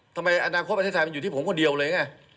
ทำไมอนาคตประเทศไทยมันอยู่ที่ผมคนเดียวเลยไง